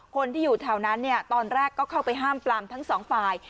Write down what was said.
คนที่อยู่แถวนั้นเนี่ยตอนแรกก็เข้าไปห้ามปลามทั้งสองฝ่าย